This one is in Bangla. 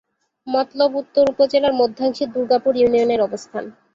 মতলব উত্তর উপজেলার মধ্যাংশে দুর্গাপুর ইউনিয়নের অবস্থান।